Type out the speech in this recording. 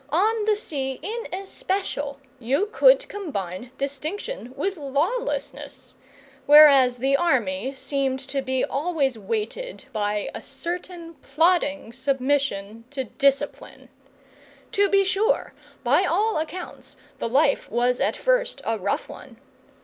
On the sea, in especial, you could combine distinction with lawlessness, whereas the army seemed to be always weighted by a certain plodding submission to discipline. To be sure, by all accounts, the life was at first a rough one.